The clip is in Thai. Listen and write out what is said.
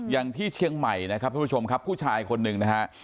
อย่างที่เชียงใหม่นะครับทุกผู้ชมครับผู้ชายคนหนึ่งนะฮะ